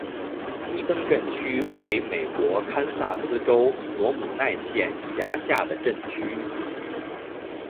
伊登镇区为美国堪萨斯州索姆奈县辖下的镇区。